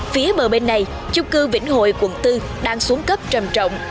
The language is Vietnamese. phía bờ bên này chung cư vĩnh hội quận bốn đang xuống cấp trầm trọng